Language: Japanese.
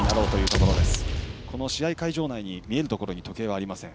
この試合会場内の見えるところに時計はありません。